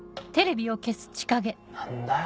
何だよ？